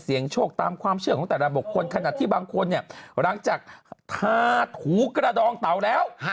โชคตามความเชื่อของแต่ละบุคคลขนาดที่บางคนเนี่ยหลังจากทาถูกระดองเตาแล้ว